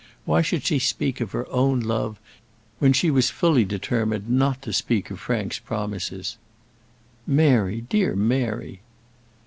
Why should she speak of her own love when she was fully determined not to speak of Frank's promises. "Mary, dear Mary."